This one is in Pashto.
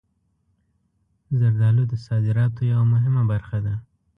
زردالو د صادراتو یوه مهمه برخه ده.